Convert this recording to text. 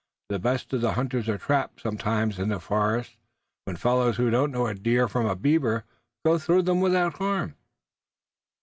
The best of hunters are trapped sometimes in the forest, when fellows who don't know a deer from a beaver, go through 'em without harm."